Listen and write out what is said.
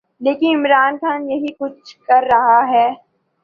لیکن عمران خان یہی کچھ کر رہا ہے۔